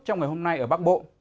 trong ngày hôm nay ở bắc bộ